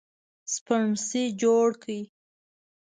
سپڼسي جوړ کړي